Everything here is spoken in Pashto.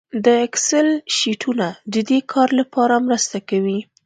د اکسل شیټونه د دې کار لپاره مرسته کوي